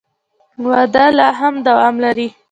وده لا هم دوام لري.